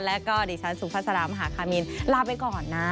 แล้วก็ดิฉันสุภาษารามหาคามินลาไปก่อนนะ